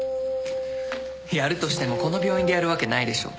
やるとしてもこの病院でやるわけないでしょ。